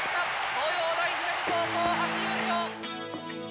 東洋大姫路高校初優勝！